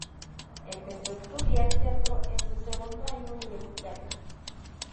Empezó a estudiar teatro en su segundo año universitario.